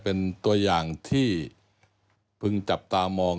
เป็นตัวอย่างที่พึงจับตามอง